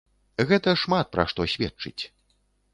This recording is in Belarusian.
Гэта шмат пра што сведчыць.